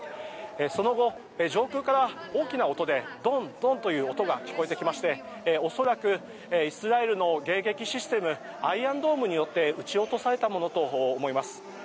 その後、上空から大きな音でドンドンという音が聞こえてきまして恐らくイスラエルの迎撃システムアイアンドームによって撃ち落とされたものと思います。